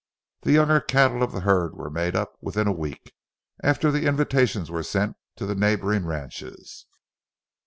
The younger cattle for the herd were made up within a week after the invitations were sent to the neighboring ranches.